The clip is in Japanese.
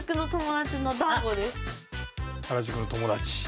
原宿の友達。